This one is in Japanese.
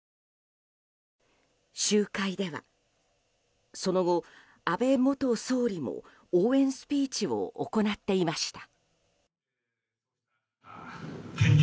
集会ではその後、安倍元総理も応援スピーチを行っていました。